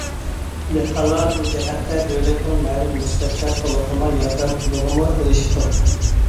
دېھقانلار بۇ جەھەتتە دۆلەتنىڭ مەلۇم نىسبەتتە تولۇقلىما ياردەم پۇلىغىمۇ ئېرىشىپتۇ.